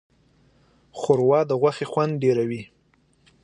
ښوروا د غوښې خوند ډېروي.